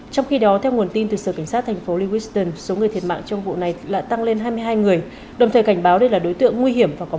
trong khi đó theo nguồn tin từ sở cảnh sát thành phố lewiston số người thiệt mạng trong vụ này là tăng lên hai mươi hai người đồng thời cảnh báo đây là đối tượng nguy hiểm và có